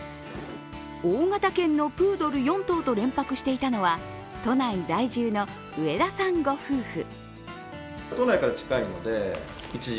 大型犬のプードル４頭と連泊していたのは都内在住の上田さんご夫婦。